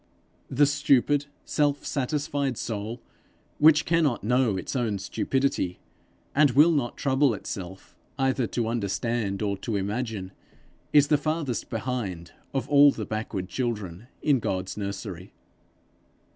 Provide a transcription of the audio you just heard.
The stupid, self satisfied soul, which cannot know its own stupidity, and will not trouble itself either to understand or to imagine, is the farthest behind of all the backward children in God's nursery.